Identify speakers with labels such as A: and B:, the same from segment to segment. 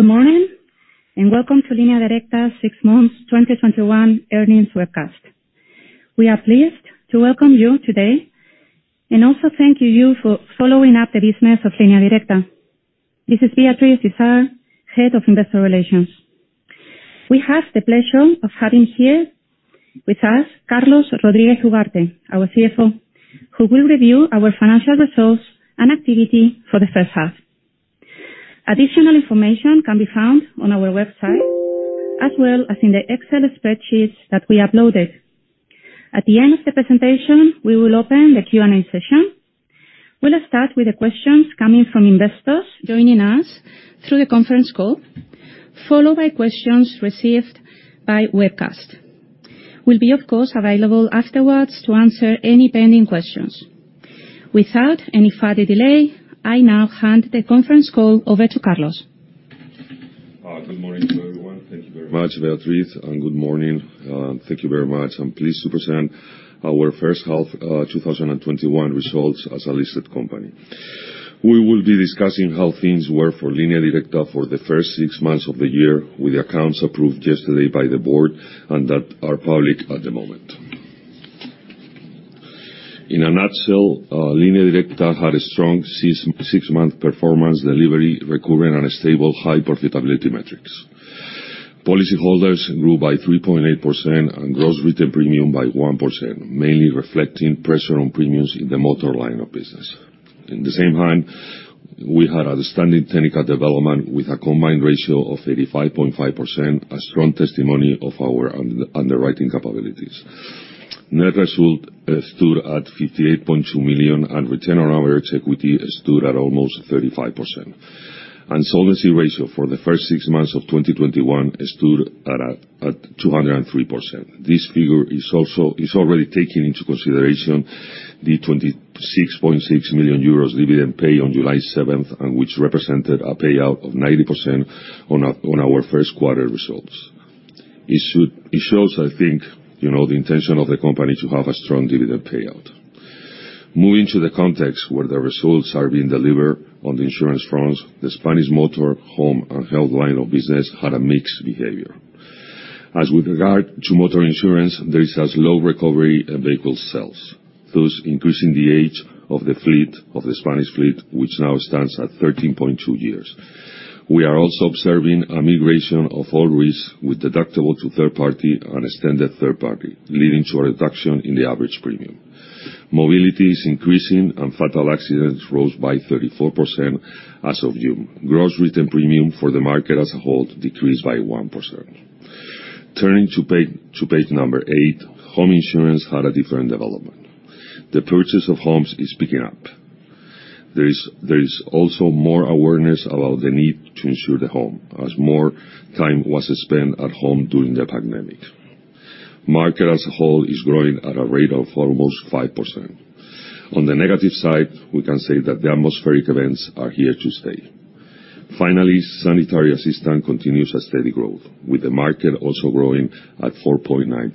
A: Good morning, welcome to Línea Directa six months 2021 earnings webcast. We are pleased to welcome you today and also thank you for following up the business of Línea Directa. This is Beatriz Izard, head of investor relations. We have the pleasure of having here with us Carlos Rodriguez Ugarte, our CFO, who will review our financial results and activity for the first half. Additional information can be found on our website, as well as in the Excel spreadsheets that we uploaded. At the end of the presentation, we will open the Q&A session. We'll start with the questions coming from investors joining us through the conference call, followed by questions received by webcast. We'll be, of course, available afterwards to answer any pending questions. Without any further delay, I now hand the conference call over to Carlos.
B: Good morning to everyone. Thank you very much, Beatriz, and good morning. Thank you very much. I'm pleased to present our first half 2021 results as a listed company. We will be discussing how things work for Línea Directa for the first six months of the year with the accounts approved yesterday by the board and that are public at the moment. In a nutshell, Línea Directa had a strong six-month performance, delivery, recurring and stable high profitability metrics. Policyholders grew by 3.8% and gross written premium by 1%, mainly reflecting pressure on premiums in the motor line of business. In the same time, we had a standing technical development with a combined ratio of 85.5%, a strong testimony of our underwriting capabilities. Net result stood at 58.2 million, and return on average equity stood at almost 35%. Solvency ratio for the first six months of 2021 stood at 203%. This figure is already taking into consideration the 26.6 million euros dividend paid on July 7th, and which represented a payout of 90% on our first quarter results. It shows, I think, the intention of the company to have a strong dividend payout. Moving to the context where the results are being delivered on the insurance front, the Spanish Motor, Home, and Health line of business had a mixed behavior. With regard to Motor insurance, there is a slow recovery in vehicle sales, thus increasing the age of the Spanish fleet, which now stands at 13.2 years. We are also observing a migration of all risks with deductible to third party and extended third party, leading to a reduction in the average premium. Mobility is increasing. Fatal accidents rose by 34% as of June. Gross written premium for the market as a whole decreased by 1%. Turning to page number eight, Home insurance had a different development. The purchase of homes is picking up. There is also more awareness about the need to insure the home, as more time was spent at home during the pandemic. Market as a whole is growing at a rate of almost 5%. On the negative side, we can say that the atmospheric events are here to stay. Finally, sanitary assistance continues a steady growth, with the market also growing at 4.9%.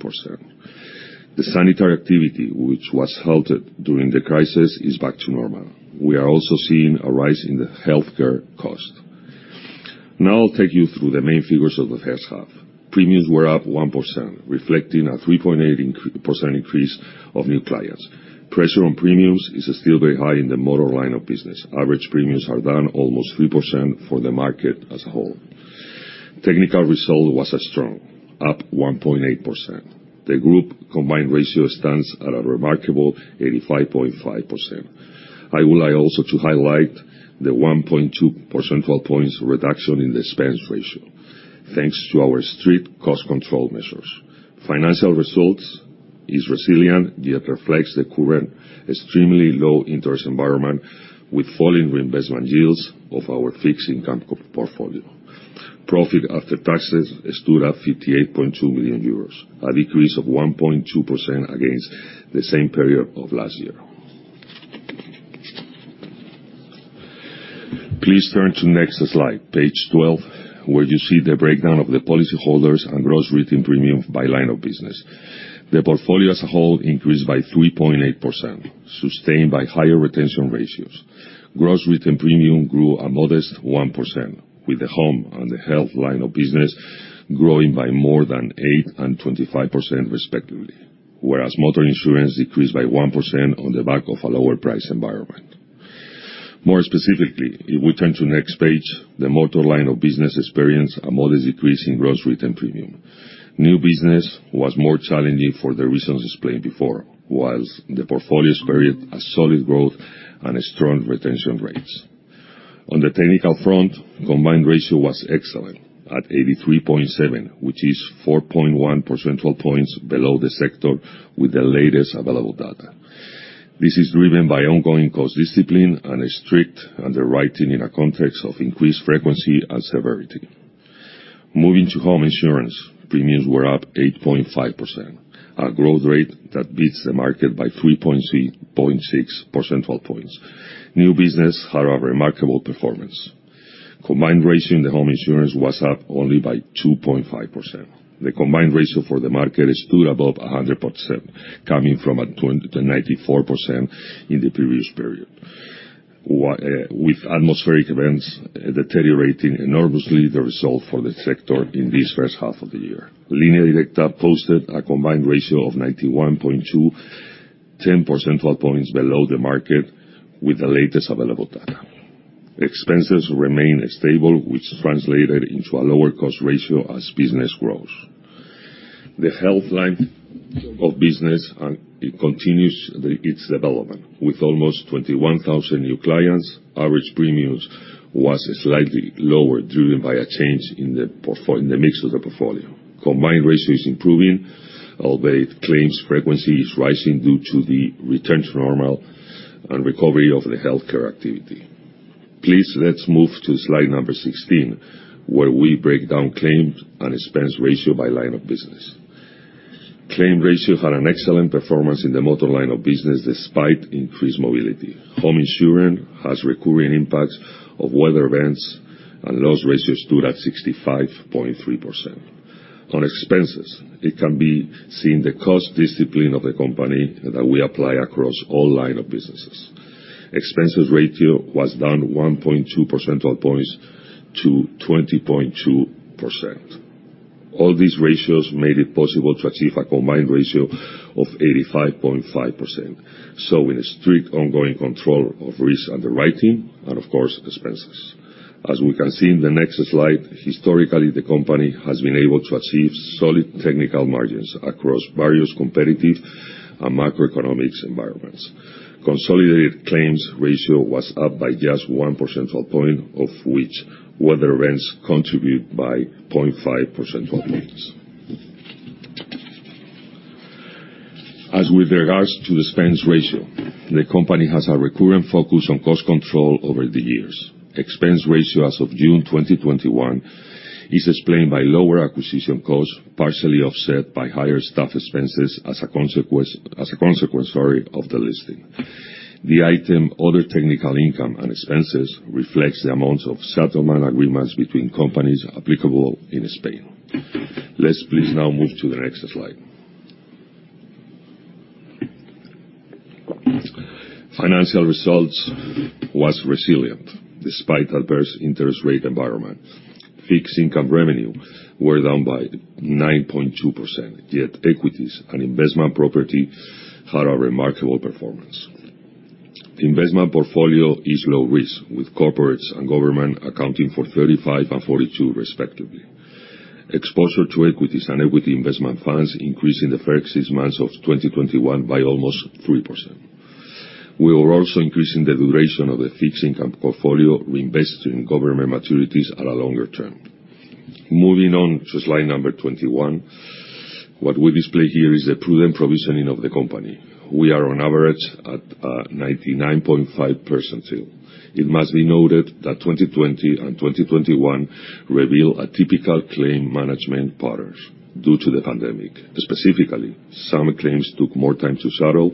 B: The sanitary activity, which was halted during the crisis, is back to normal. We are also seeing a rise in the healthcare cost. Now I'll take you through the main figures of the first half. Premiums were up 1%, reflecting a 3.8% increase of new clients. Pressure on premiums is still very high in the Motor line of business. Average premiums are down almost 3% for the market as a whole. Technical result was strong, up 1.8%. The group combined ratio stands at a remarkable 85.5%. I would like also to highlight the 1.2 percentage points reduction in the expense ratio, thanks to our strict cost control measures. Financial results is resilient, yet reflects the current extremely low interest environment with falling reinvestment yields of our fixed income portfolio. Profit after taxes stood at 58.2 million euros, a decrease of 1.2% against the same period of last year. Please turn to next slide, page 12, where you see the breakdown of the policyholders and gross written premium by line of business. The portfolio as a whole increased by 3.8%, sustained by higher retention ratios. Gross written premium grew a modest 1%, with the Home insurance and the Health insurance line of business growing by more than 8% and 25% respectively. Motor insurance decreased by 1% on the back of a lower price environment. More specifically, if we turn to next page, the Motor insurance experienced a modest decrease in gross written premium. New business was more challenging for the reasons explained before, whilst the portfolio experienced a solid growth and strong retention rates. On the technical front, combined ratio was excellent at 83.7, which is 4.1 percentage points below the sector with the latest available data. This is driven by ongoing cost discipline and strict underwriting in a context of increased frequency and severity. Moving to Home insurance, premiums were up 8.5%, a growth rate that beats the market by 3.6 percentage points. New business had a remarkable performance. Combined ratio in the home insurance was up only by 2.5%. The combined ratio for the market stood above 100%, coming from 94% in the previous period, with atmospheric events deteriorating enormously the result for the sector in this first half of the year. Línea Directa posted a combined ratio of 91.2%, 10 percentile points below the market with the latest available data. Expenses remain stable, which translated into a lower cost ratio as business grows. The health line of business continues its development with almost 21,000 new clients. Average premiums was slightly lower due by a change in the mix of the portfolio. Combined ratio is improving, albeit claims frequency is rising due to the return to normal and recovery of the healthcare activity. Please, let's move to slide number 16, where we break down claims and expense ratio by line of business. Claims ratio had an excellent performance in the Motor insurance line of business, despite increased mobility. Home insurance has recurring impacts of weather events, and loss ratio stood at 65.3%. On expenses, it can be seen the cost discipline of the company that we apply across all line of businesses. Expense ratio was down 1.2 percentile points to 20.2%. All these ratios made it possible to achieve a combined ratio of 85.5%. In a strict ongoing control of risk underwriting, and of course, expenses. We can see in the next slide, historically, the company has been able to achieve solid technical margins across various competitive and microeconomics environments. Consolidated claims ratio was up by just one percentile point, of which weather events contribute by 0.5 percentile points. With regards to expense ratio, the company has a recurring focus on cost control over the years. Expense ratio as of June 2021 is explained by lower acquisition costs, partially offset by higher staff expenses as a consequence of the listing. The item, other technical income and expenses, reflects the amount of settlement agreements between companies applicable in Spain. Let's please now move to the next slide. Financial results was resilient despite adverse interest rate environment. Fixed income revenue were down by 9.2%, yet equities and investment property had a remarkable performance. Investment portfolio is low risk, with corporates and government accounting for 35% and 42% respectively. Exposure to equities and equity investment funds increased in the first six months of 2021 by almost 3%. We were also increasing the duration of the fixed income portfolio, reinvesting government maturities at a longer term. Moving on to slide number 21. What we display here is a prudent provisioning of the company. We are on average at 99.5 percentile. It must be noted that 2020 and 2021 reveal atypical claim management patterns due to the pandemic. Specifically, some claims took more time to settle,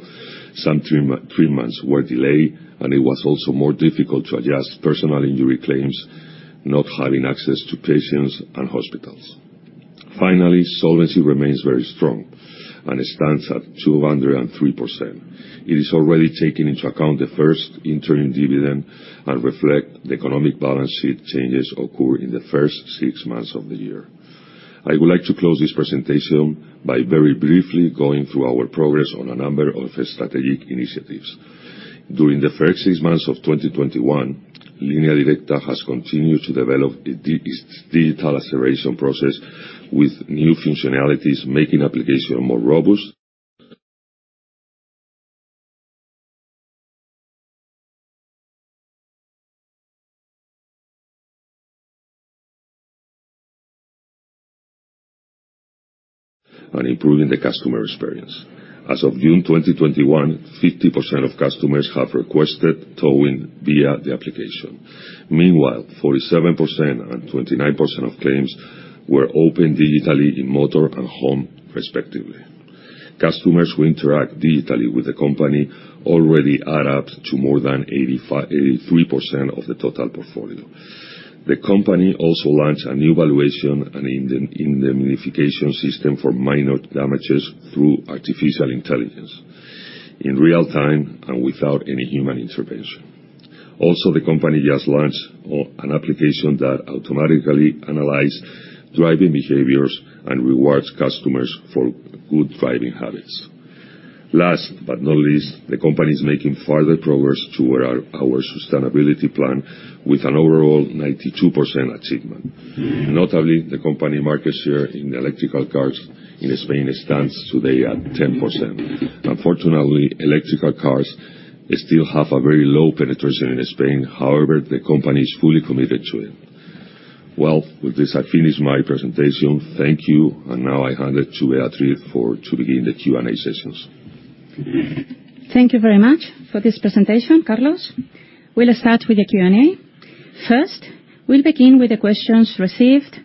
B: some treatments were delayed, and it was also more difficult to adjust personal injury claims, not having access to patients and hospitals. Finally, solvency remains very strong and stands at 203%. It is already taking into account the first interim dividend and reflects the economic balance sheet changes occurred in the first six months of the year. I would like to close this presentation by very briefly going through our progress on a number of strategic initiatives. During the first six months of 2021, Línea Directa has continued to develop its digital acceleration process with new functionalities, making application more robust and improving the customer experience. As of June 2021, 50% of customers have requested towing via the application. Meanwhile, 47% and 29% of claims were opened digitally in Motor and Home, respectively. Customers who interact digitally with the company already add up to more than 83% of the total portfolio. The company also launched a new valuation and indemnification system for minor damages through artificial intelligence in real time and without any human intervention. Also, the company just launched an application that automatically analyze driving behaviors and rewards customers for good driving habits. Last but not least, the company is making further progress to our sustainability plan with an overall 92% achievement. Notably, the company market share in electrical cars in Spain stands today at 10%. Unfortunately, electrical cars still have a very low penetration in Spain. However, the company is fully committed to it. Well, with this, I finish my presentation. Thank you. Now I hand it to Beatriz to begin the Q&A sessions.
A: Thank you very much for this presentation, Carlos. We'll start with the Q&A. First, we'll begin with the questions received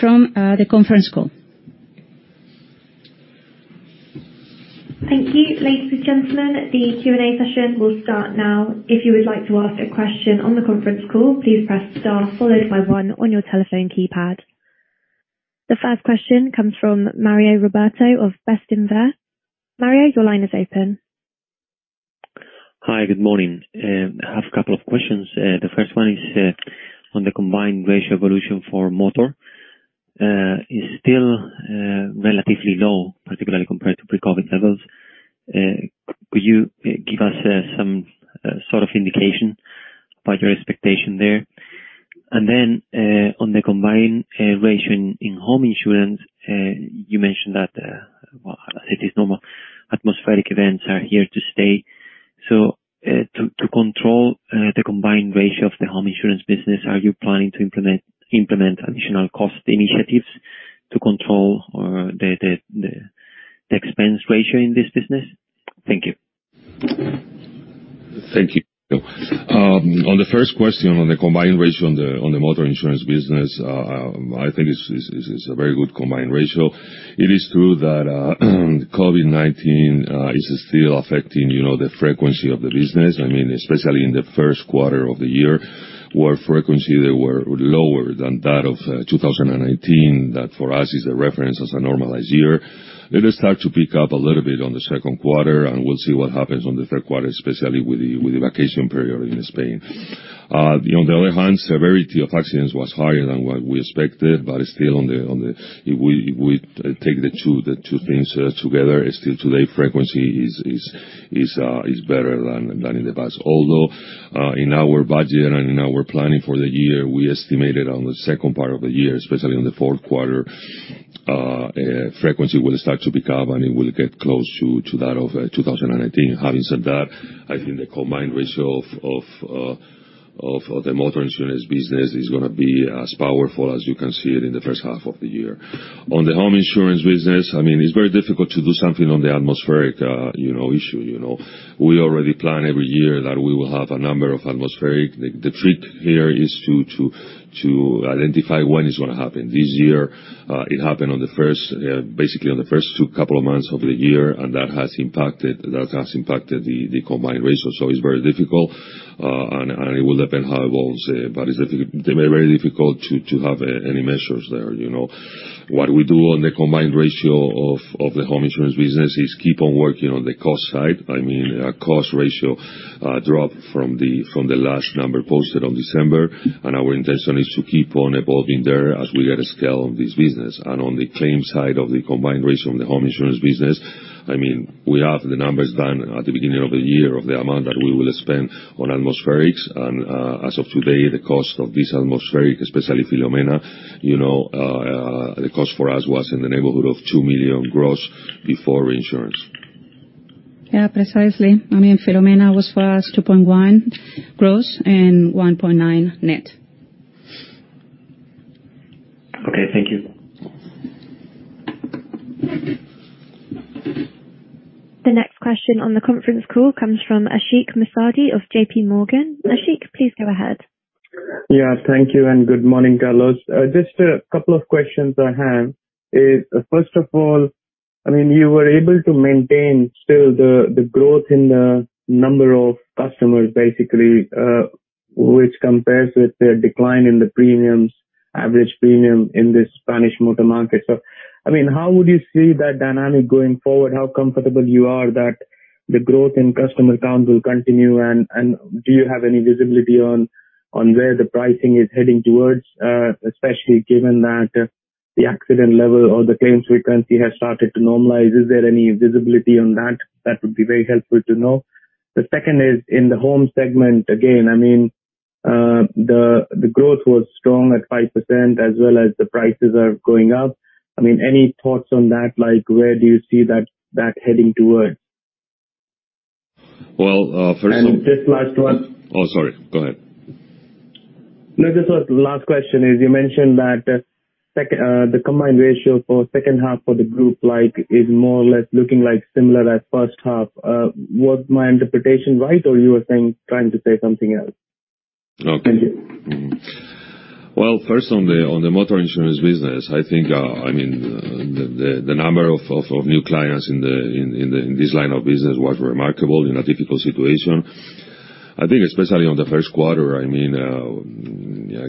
A: from the conference call.
C: Thank you. Ladies and gentlemen, the Q&A session will start now. If you would like to ask a question on the conference call, please press star followed by one on your telephone keypad. The first question comes from Mario Ropero of Bestinver. Mario, your line is open.
D: Hi, good morning. I have a couple of questions. The first one is on the combined ratio evolution for motor. It's still relatively low, particularly compared to pre-COVID-19 levels. Could you give us some sort of indication about your expectation there? Then on the combined ratio in Home insurance, you mentioned that these normal atmospheric events are here to stay. To control the combined ratio of the Home insurance business, are you planning to implement additional cost initiatives to control the expense ratio in this business? Thank you.
B: Thank you. On the first question, on the combined ratio on the Motor insurance business, I think it's a very good combined ratio. It is true that COVID-19 is still affecting the frequency of the business, especially in the first quarter of the year, where frequency there were lower than that of 2019. That, for us, is the reference as a normalized year. We'll see what happens on the third quarter, especially with the vacation period in Spain. On the other hand, severity of accidents was higher than what we expected, but if we take the two things together, still today, frequency is better than in the past. In our budget and in our planning for the year, we estimated on the second part of the year, especially on the fourth quarter, frequency will start to pick up, and it will get close to that of 2019. Having said that, I think the combined ratio of the Motor insurance business is going to be as powerful as you can see it in the first half of the year. On the Home insurance business, it's very difficult to do something on the atmospheric issue. We already plan every year that we will have a number of atmospheric. The trick here is to identify when it's going to happen. This year, it happened basically on the first two couple of months of the year, and that has impacted the combined ratio. It's very difficult, and it will depend how it evolves. It's very difficult to have any measures there. What we do on the combined ratio of the Home insurance business is keep on working on the cost side. Expense ratio dropped from the large number posted on December, and our intention is to keep on evolving there as we get scale on this business. On the claim side of the combined ratio of the Home insurance business, we have the numbers done at the beginning of the year of the amount that we will spend on atmospherics. As of today, the cost of this atmospheric, especially Filomena, the cost for us was in the neighborhood of 2 million gross before insurance.
A: Yeah, precisely. Filomena was, for us, 2.1 gross and 1.9 net.
D: Okay, thank you.
C: The next question on the conference call comes from Ashik Musaddi of JPMorgan. Ashik, please go ahead.
E: Thank you, and good morning, Carlos. Just a couple of questions I have is, first of all, you were able to maintain still the growth in the number of customers, basically, which compares with the decline in the average premium in the Spanish motor market. How would you see that dynamic going forward? How comfortable you are that the growth in customer count will continue, and do you have any visibility on where the pricing is heading towards, especially given that the accident level or the claims frequency has started to normalize. Is there any visibility on that? That would be very helpful to know. The second is in the home segment, again, the growth was strong at 5%, as well as the prices are going up. Any thoughts on that? Where do you see that heading towards?
B: Well.
E: Just last one.
B: Sorry. Go ahead.
E: No, this was the last question is you mentioned that the combined ratio for second half for the group is more or less looking similar as first half. Was my interpretation right, or you were trying to say something else?
B: Okay.
E: Thank you.
B: Well, first, on the Motor insurance business, I think the number of new clients in this line of business was remarkable in a difficult situation. I think especially on the first quarter,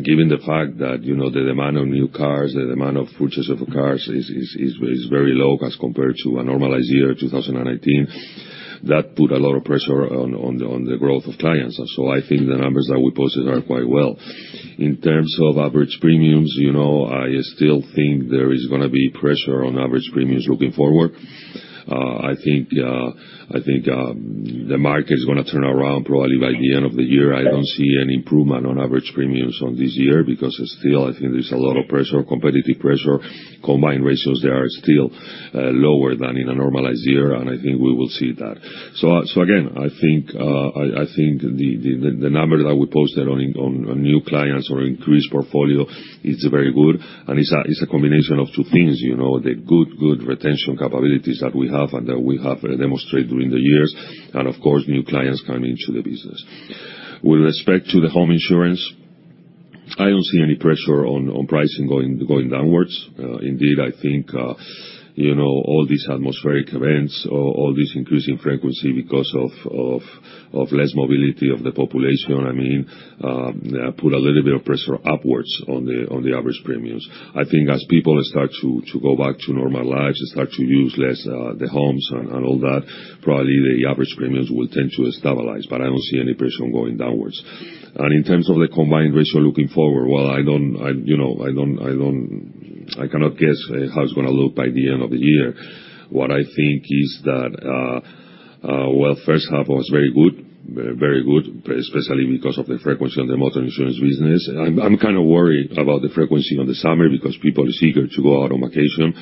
B: given the fact that the demand of new cars, the demand of purchase of cars is very low as compared to a normalized year 2019. That put a lot of pressure on the growth of clients. I think the numbers that we posted are quite well. In terms of average premiums, I still think there is going to be pressure on average premiums looking forward. I think the market is going to turn around probably by the end of the year. I don't see any improvement on average premiums on this year because still, I think there's a lot of pressure, competitive pressure. combined ratios there are still lower than in a normalized year. I think we will see that. Again, I think the number that we posted on new clients or increased portfolio is very good. It's a combination of two things. The good retention capabilities that we have and that we have demonstrated during the years, and of course, new clients coming into the business. With respect to the Home insurance I don't see any pressure on pricing going downwards. Indeed, I think all these atmospheric events, all this increasing frequency because of less mobility of the population, put a little bit of pressure upwards on the average premiums. I think as people start to go back to normal lives and start to use less the homes and all that, probably the average premiums will tend to stabilize. I don't see any pressure going downwards. In terms of the combined ratio looking forward, well, I cannot guess how it's going to look by the end of the year. What I think is that, well, first half was very good, especially because of the frequency on the Motor insurance business. I'm kind of worried about the frequency on the summer because people are eager to go out on vacation.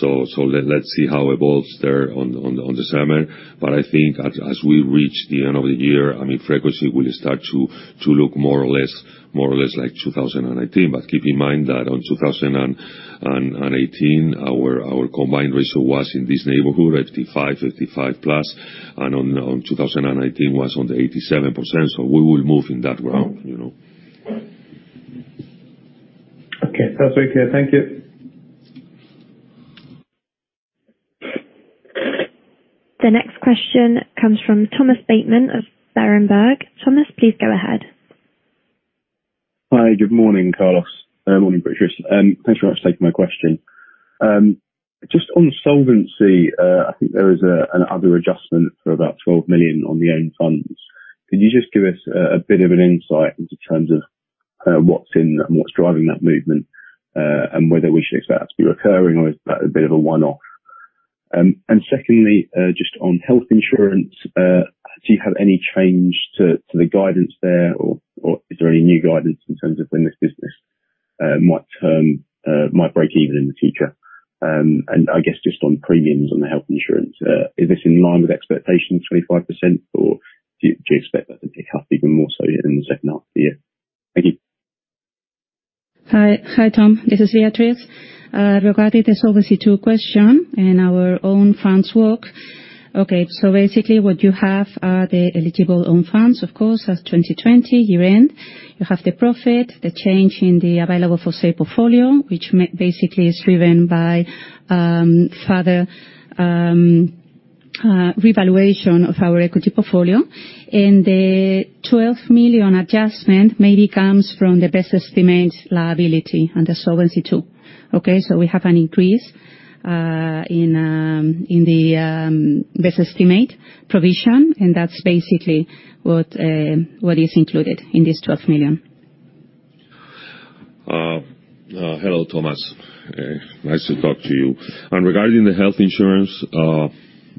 B: Let's see how it evolves there on the summer. I think as we reach the end of the year, frequency will start to look more or less like 2019. Keep in mind that on 2018, our combined ratio was in this neighborhood, 55+, and on 2019 was on the 87%. We will move in that realm.
E: Okay. That is very clear. Thank you.
C: The next question comes from Thomas Bateman of Berenberg. Thomas, please go ahead.
F: Hi. Good morning, Carlos. Morning, Beatriz. Thanks very much for taking my question. Just on solvency, I think there is another adjustment for about 12 million on the own funds. Can you just give us a bit of an insight into terms of what's in and what's driving that movement, and whether we should expect that to be recurring, or is that a bit of a one-off? Secondly, just on Health insurance, do you have any change to the guidance there, or is there any new guidance in terms of when this business might break even in the future? I guess just on premiums on the Health insurance, is this in line with expectations, 25%, or do you expect that to pick up even more so in the second half of the year? Thank you.
A: Hi, Thomas. This is Beatriz. Regarding the Solvency II question and our own funds work. Okay, basically what you have are the eligible own funds, of course, as 2020 year-end. You have the profit, the change in the available for sale portfolio, which basically is driven by further revaluation of our equity portfolio. The 12 million adjustment mainly comes from the best estimate liability under Solvency II. Okay? We have an increase in the best estimate provision, and that's basically what is included in this 12 million.
B: Hello, Thomas. Nice to talk to you. Regarding the Health insurance,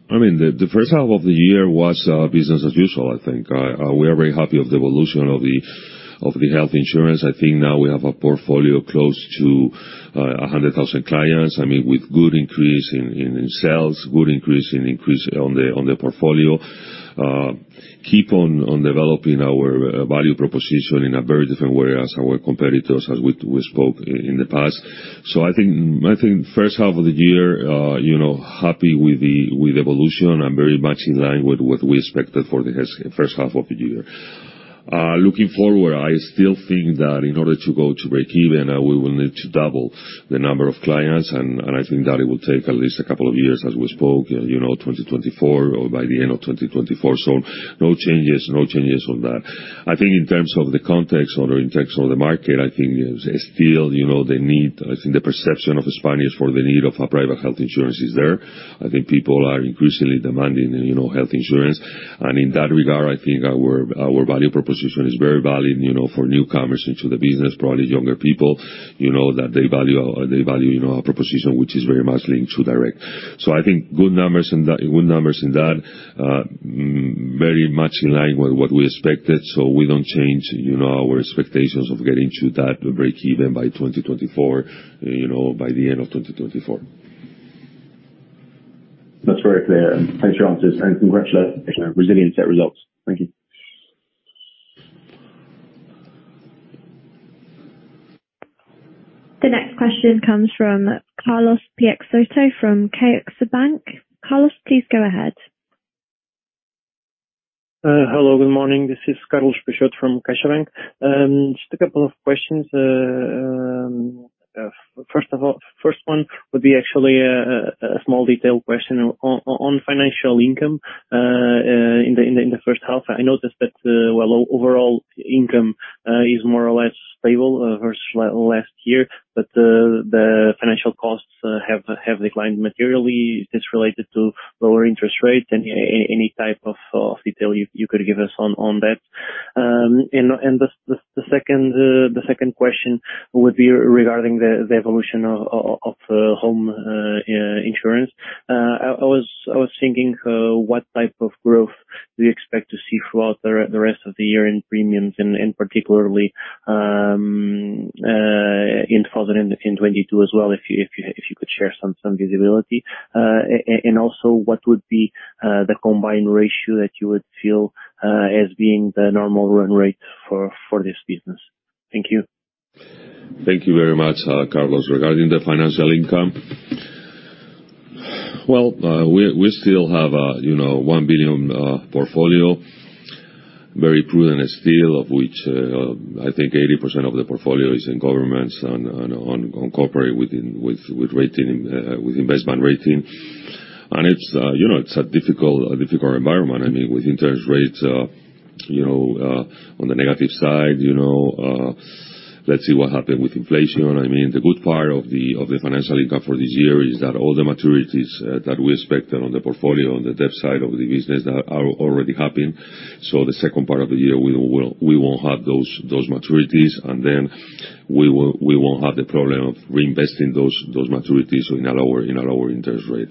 B: the first half of the year was business as usual, I think. We are very happy of the evolution of the Health insurance. I think now we have a portfolio close to 100,000 clients, with good increase in sales, good increase on the portfolio. Keep on developing our value proposition in a very different way as our competitors, as we spoke in the past. I think first half of the year, happy with the evolution and very much in line with what we expected for the first half of the year. Looking forward, I still think that in order to go to break even, we will need to double the number of clients, and I think that it will take at least a couple of years as we spoke, 2024 or by the end of 2024. No changes on that. I think in terms of the context or in terms of the market, I think there's still the need. I think the perception of Spaniards for the need of a private health insurance is there. I think people are increasingly demanding health insurance. In that regard, I think our value proposition is very valid for newcomers into the business, probably younger people, that they value our proposition, which is very much linked to direct. I think good numbers in that. Very much in line with what we expected. We don't change our expectations of getting to that break even by 2024, by the end of 2024.
F: That is very clear. Thanks for your answers and congratulations on resilient set results. Thank you.
C: The next question comes from Carlos Peixoto from CaixaBank. Carlos, please go ahead.
G: Hello, good morning. This is Carlos Peixoto from CaixaBank. Just a couple of questions. First one would be actually a small detailed question on financial income. In the first half, I noticed that overall income is more or less stable versus last year, but the financial costs have declined materially. Is this related to lower interest rates? Any type of detail you could give us on that? The second question would be regarding the evolution of Home insurance. I was thinking, what type of growth do you expect to see throughout the rest of the year in premiums and particularly in 2022 as well, if you could share some visibility. What would be the combined ratio that you would feel as being the normal run rate for this business? Thank you.
B: Thank you very much, Carlos. Regarding the financial income. Well, we still have a 1 billion portfolio, very prudent still, of which I think 80% of the portfolio is in governments and on corporate with investment rating. It's a difficult environment. With interest rates on the negative side. Let's see what happens with inflation. The good part of the financial income for this year is that all the maturities that we expected on the portfolio on the debt side of the business have already happened. The second part of the year, we won't have those maturities, and then we won't have the problem of reinvesting those maturities in a lower interest rate.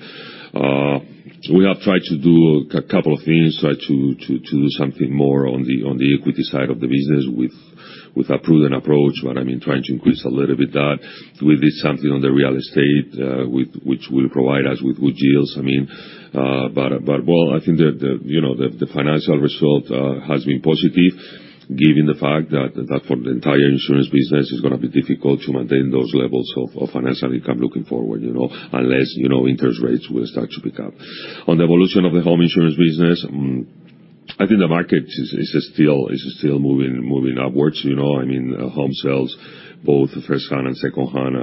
B: We have tried to do a couple of things, tried to do something more on the equity side of the business with a prudent approach. Trying to increase a little bit that. We did something on the real estate, which will provide us with good yields. I think the financial result has been positive given the fact that for the entire insurance business, it's going to be difficult to maintain those levels of financial income looking forward, unless interest rates will start to pick up. On the evolution of the home insurance business, I think the market is still moving upwards. Home sales, both firsthand and secondhand,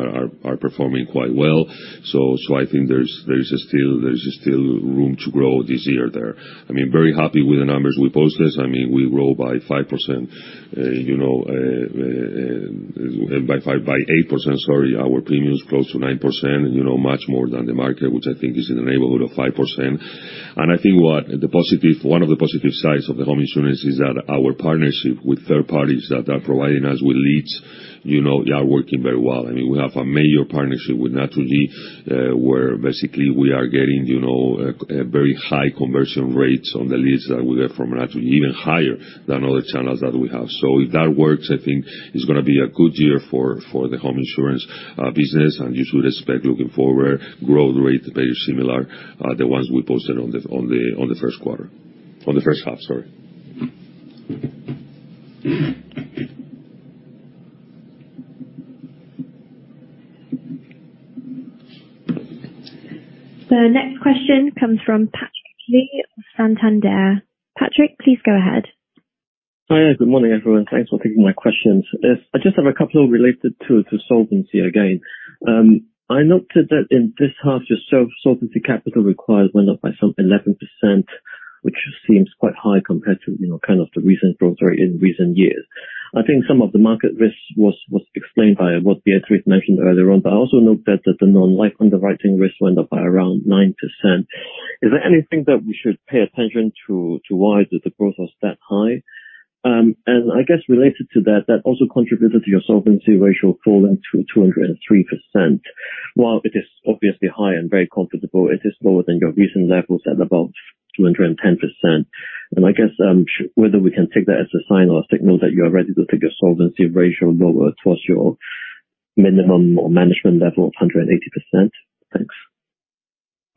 B: are performing quite well. I think there's still room to grow this year there. Very happy with the numbers we posted. We grew by 5%, by 8%, sorry, our premiums close to 9%. Much more than the market, which I think is in the neighborhood of 5%. I think one of the positive sides of the Home insurance is that our partnership with third parties that are providing us with leads are working very well. We have a major partnership with Naturgy, where basically we are getting very high conversion rates on the leads that we get from Naturgy. Even higher than other channels that we have. If that works, I think it's going to be a good year for the Home insurance business, and you should expect, looking forward, growth rate very similar, the ones we posted on the first quarter. On the first half, sorry.
C: The next question comes from Patrick Lee of Santander. Patrick, please go ahead.
H: Hi, good morning, everyone. Thanks for taking my questions. I just have a couple related to solvency again. I noted that in this half, your solvency capital required went up by some 11%, which seems quite high compared to kind of the recent growth rate in recent years. I think some of the market risk was explained by what Beatriz mentioned earlier on. I also noted that the non-life underwriting risk went up by around 9%. Is there anything that we should pay attention to as to why the growth was that high? I guess related to that also contributed to your solvency ratio falling to 203%. While it is obviously high and very comfortable, it is lower than your recent levels at above 210%. I guess, whether we can take that as a sign or a signal that you are ready to take your solvency ratio lower towards your minimum or management level of 180%. Thanks.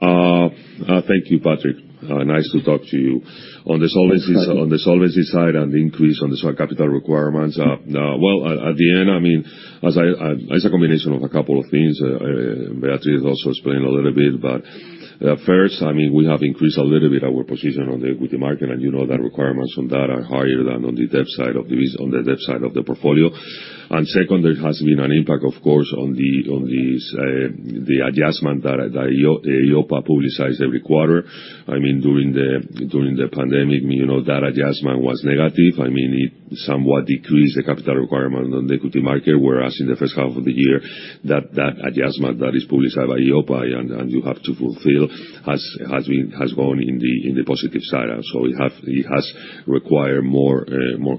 B: Thank you, Patrick. Nice to talk to you. On the solvency side and the increase on the capital requirements. Well, at the end, it's a combination of a couple of things. Beatriz also explained a little bit. First, we have increased a little bit our position on the equity market, and you know that requirements on that are higher than on the debt side of the portfolio. Second, there has been an impact, of course, on the adjustment that EIOPA publicizes every quarter. During the pandemic, that adjustment was negative. It somewhat decreased the capital requirement on the equity market, whereas in the first half of the year, that adjustment that is published by EIOPA, and you have to fulfill, has gone in the positive side. It has required more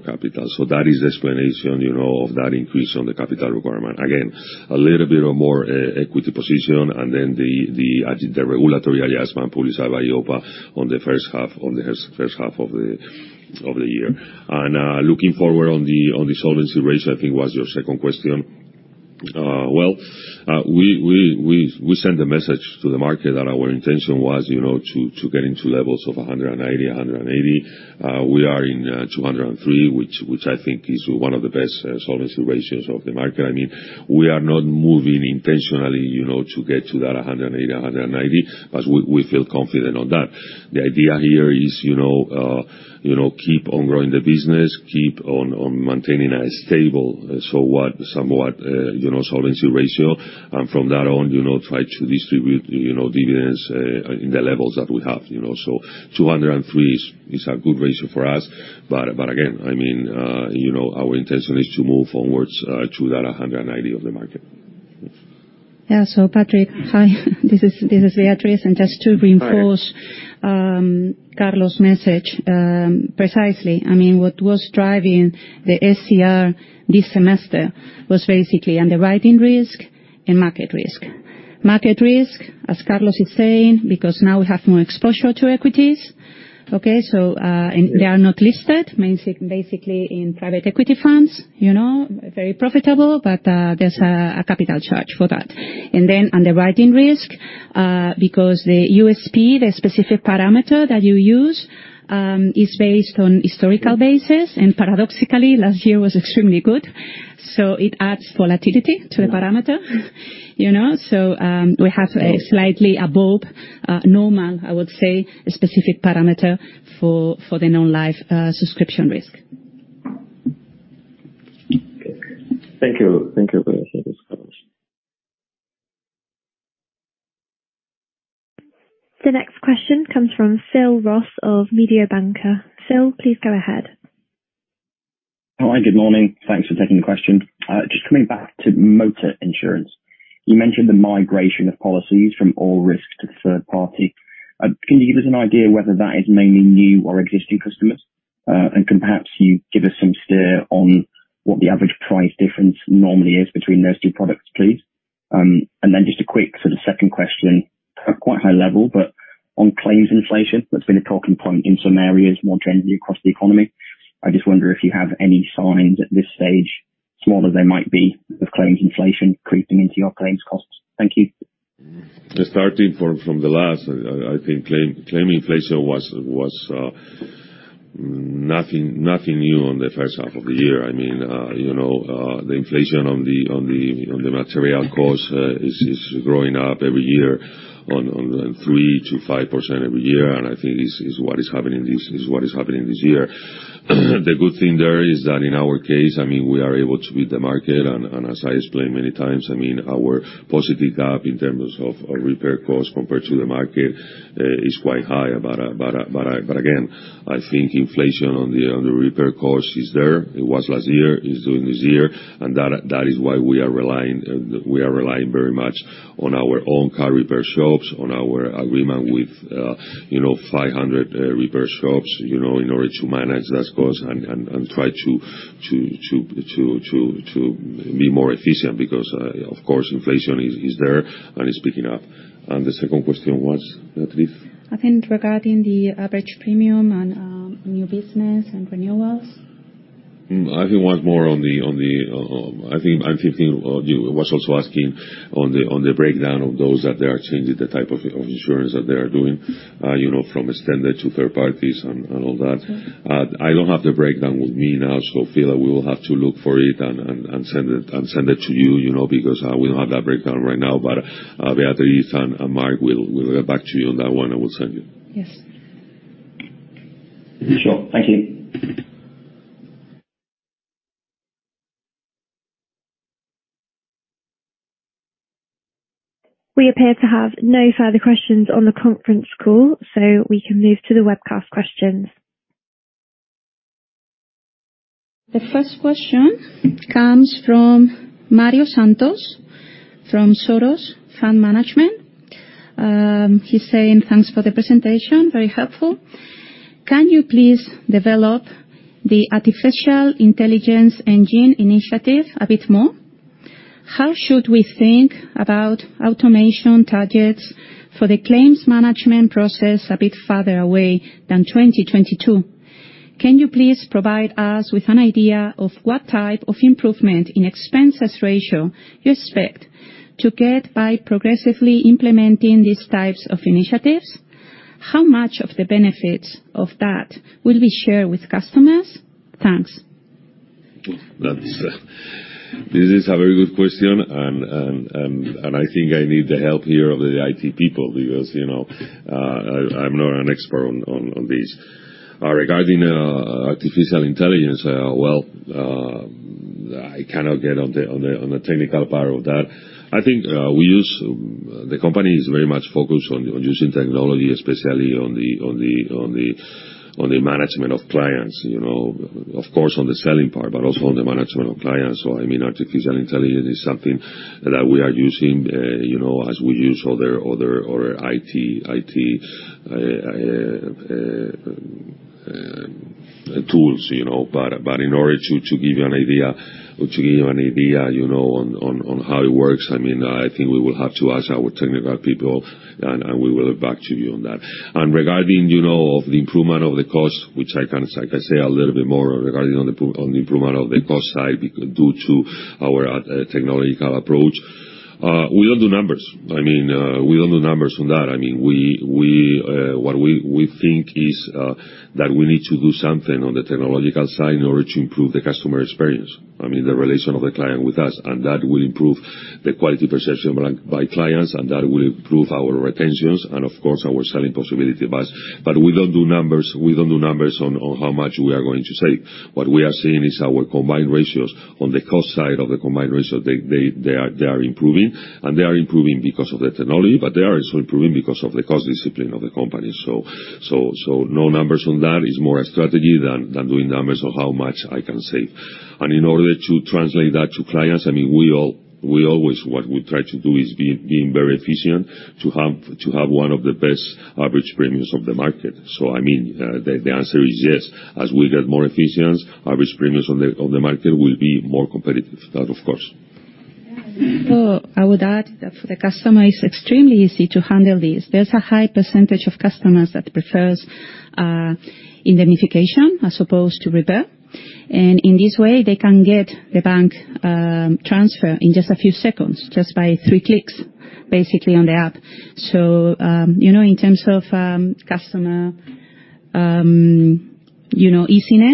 B: capital. That is the explanation of that increase on the capital requirement. Again, a little bit of more equity position, then the regulatory adjustment published by EIOPA on the first half of the year. Looking forward on the solvency ratio, I think was your second question. Well, we sent a message to the market that our intention was to get into levels of 190%, 180%. We are in 203%, which I think is one of the best solvency ratios of the market. We are not moving intentionally to get to that 180%, 190%, but we feel confident on that. The idea here is, keep on growing the business, keep on maintaining a stable solvency ratio. From that on, try to distribute dividends in the levels that we have. 203% is a good ratio for us. Again, our intention is to move forwards to that 190% of the market.
A: Yeah. Patrick, hi. This is Beatriz. just to reinforce-
H: Hi.
A: Carlos' message, precisely. What was driving the SCR this semester was basically underwriting risk and market risk. Market risk, as Carlos is saying, because now we have more exposure to equities, okay? They are not listed, basically in private equity funds. Very profitable, there's a capital charge for that. Underwriting risk, because the USP, the specific parameter that you use, is based on historical basis. Paradoxically, last year was extremely good. So it adds volatility to the parameter. We have a slightly above normal, I would say, specific parameter for the non-life subscription risk.
H: Okay. Thank you. Thank you very much for this coverage.
C: The next question comes from Phil Ross of Mediobanca. Phil, please go ahead.
I: Hi. Good morning. Thanks for taking the question. Just coming back to Motor insurance. You mentioned the migration of policies from all risk to third party. Can you give us an idea whether that is mainly new or existing customers? Can perhaps you give us some steer on what the average price difference normally is between those two products, please? Just a quick sort of second question. Quite high level, on claims inflation, that's been a talking point in some areas more generally across the economy. I just wonder if you have any signs at this stage, small as they might be, of claims inflation creeping into your claims costs. Thank you.
B: Starting from the last, I think claim inflation was nothing new on the first half of the year. The inflation on the material cost is growing up every year on 3% to 5% every year. I think this is what is happening this year. The good thing there is that in our case, we are able to beat the market, and as I explained many times, our positive gap in terms of repair cost compared to the market, is quite high. Again, I think inflation on the repair cost is there. It was last year. It's doing this year. That is why we are relying very much on our own car repair shops, on our agreement with 500 repair shops in order to manage that cost and try to be more efficient because, of course, inflation is there and it's picking up. The second question was, Beatriz?
A: I think regarding the average premium on new business and renewals.
B: I think it was more on the, I'm thinking he was also asking on the breakdown of those that they are changing the type of insurance that they are doing from standard to third parties and all that. I don't have the breakdown with me now. Phil, we will have to look for it and send it to you, because we don't have that breakdown right now. Beatriz and Mark will get back to you on that one and will send you.
A: Yes.
I: Sure. Thank you.
C: We appear to have no further questions on the conference call, so we can move to the webcast questions. The first question comes from Mario Santos from Soros Fund Management. He's saying, "Thanks for the presentation. Very helpful. Can you please develop the artificial intelligence engine initiative a bit more? How should we think about automation targets for the claims management process a bit farther away than 2022? Can you please provide us with an idea of what type of improvement in expense ratio you expect to get by progressively implementing these types of initiatives? How much of the benefits of that will be shared with customers? Thanks.
B: This is a very good question, and I think I need the help here of the IT people because I'm not an expert on this. Regarding artificial intelligence, well, I cannot get on the technical part of that. I think the company is very much focused on using technology, especially on the management of clients. Of course on the selling part, but also on the management of clients. Artificial intelligence is something that we are using, as we use other IT tools. In order to give you an idea on how it works, I think we will have to ask our technical people, and we will get back to you on that. Regarding, of the improvement of the cost, which I can, like I say, a little bit more regarding on the improvement of the cost side due to our technological approach. We don't do numbers. We don't do numbers on that. What we think is that we need to do something on the technological side in order to improve the customer experience. I mean, the relation of the client with us. That will improve the quality perception by clients, and that will improve our retentions and of course our selling possibility. We don't do numbers on how much we are going to save. What we are seeing is our combined ratios, on the cost side of the combined ratio, they are improving and they are improving because of the technology, but they are also improving because of the cost discipline of the company. No numbers on that. It's more a strategy than doing numbers on how much I can save. In order to translate that to clients, what we try to do is being very efficient to have one of the best average premiums on the market. The answer is yes. As we get more efficient, average premiums on the market will be more competitive. That, of course.
A: I would add that for the customer, it's extremely easy to handle this. There's a high percentage of customers that prefers indemnification as opposed to repair. In this way, they can get the bank transfer in just a few seconds, just by three clicks, basically, on the app. In terms of customer easiness